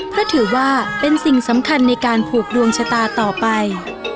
เพราะถือว่าเป็นสิ่งสำคัญในการผูกดวงชะตาต่อไป